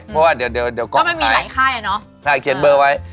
เพราะแล้วเดี๋ยวก็กล้องลงทาง